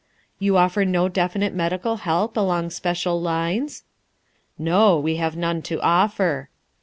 "You offer no definite medical help along special lines?" "No; we have none to offer."